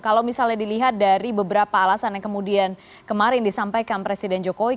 kalau misalnya dilihat dari beberapa alasan yang kemudian kemarin disampaikan presiden jokowi